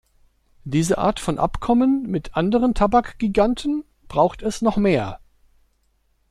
Dieser Art von Abkommen mit anderen Tabakgiganten braucht es noch mehr.